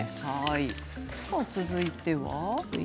続いては？